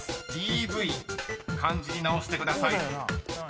［ＥＶ漢字に直してください］